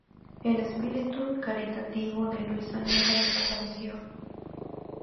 El espíritu caritativo de Luisa nunca desapareció.